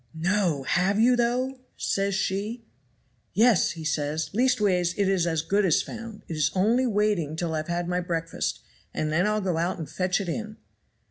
"'No! have you, though?' says she. "'Yes!' says he; 'leastways, it is as good as found; it is only waiting till I've had my breakfast, and then I'll go out and fetch it in.'